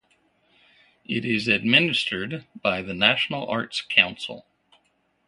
It is administered by the National Arts Council.